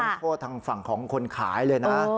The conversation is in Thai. โทษทางฝั่งของคนขายเลยนะ